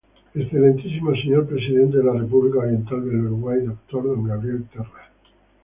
Excelentísimo señor presidente de la República Oriental del Uruguay, doctor don Gabriel Terra.